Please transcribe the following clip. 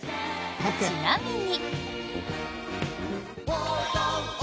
ちなみに。